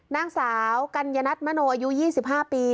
นางสาวกัญญนัทมโนอายุ๒๕ปี